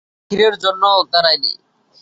ক্ষীরের জন্যও দারায়নি?